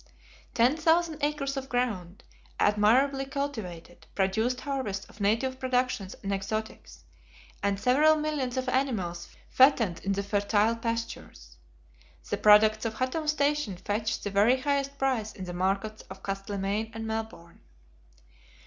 Ten thousand acres of ground, admirably cultivated, produced harvests of native productions and exotics, and several millions of animals fattened in the fertile pastures. The products of Hottam Station fetched the very highest price in the markets of Castlemaine and Melbourne.